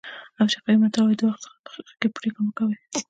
افریقایي متل وایي د وخت څخه مخکې پرېکړه مه کوئ.